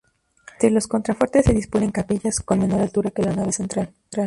Entre los contrafuertes se disponen capillas, con menor altura que la nave central.